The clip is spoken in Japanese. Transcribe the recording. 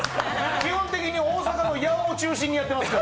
基本的に大阪の八尾を中心にやってますから。